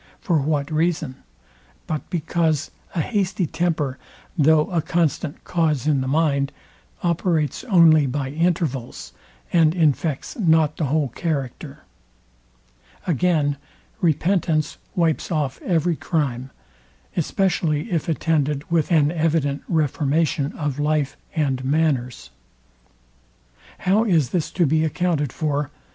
For what reason? but because a hasty temper, though a constant cause in the mind, operates only by intervals, and infects not the whole character. Again, repentance wipes off every crime, especially if attended with an evident reformation of life and manners. How is this to be accounted for?